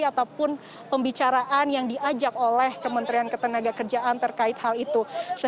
ataupun pembicaraan yang diajak oleh kementerian ketenaga kerjaan terkait hal itu